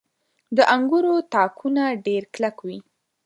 • د انګورو تاکونه ډېر کلک وي.